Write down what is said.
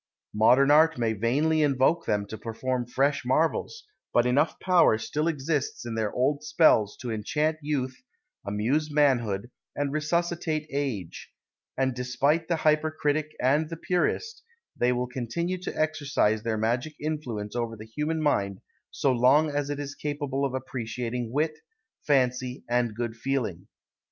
Modern art may vainly invoke them to perform fresh marvels, but enough power still exists in their old spells to enchant youth, amuse manhood, and resuscitate age; and, despite the hypercritic and the purist, they will continue to exercise their magic influence over the human mind so long as it is capable of appreciating wit, fancy, and good feeling.